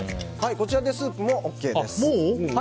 こちらでスープもＯＫです。